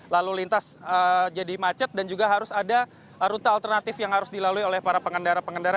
lalu lintas jadi macet dan juga harus ada rute alternatif yang harus dilalui oleh para pengendara pengendara